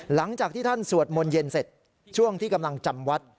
หลังจากที่ท่านสวดมนต์เย็นเสร็จช่วงที่กำลังจำวัด